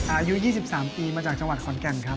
อายุ๒๓ปีมาจากจังหวัดขอนแก่นครับ